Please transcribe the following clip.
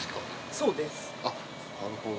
そうです。